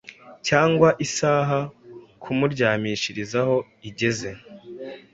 cyangwa isaha kumuryamishirizaho igeze